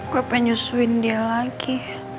gue pengen nyusuin dia lagi